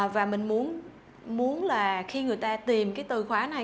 và mình muốn là khi người ta tìm cái từ khóa này